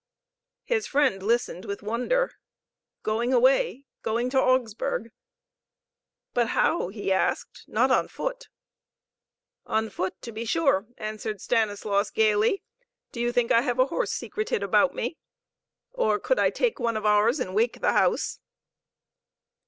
His friend listened with wonder. Going away!' Going to Augsburg! "But how?" he asked. "Not on foot?" "On foot, to be sure," answered Stanislaus gayly. "Do you think I have a horse secreted about me? Or could I take one of ours and wake the house?"